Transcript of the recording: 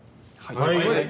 はい。